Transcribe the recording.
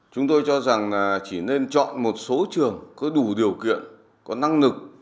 chúng tôi cho rằng chỉ nên chọn một số trường có đủ điều kiện có năng lực